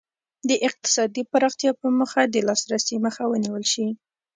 د اقتصادي پراختیا په موخه د لاسرسي مخه ونیول شي.